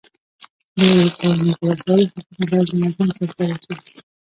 د کرنیزو وسایلو ساتنه باید منظم ترسره شي.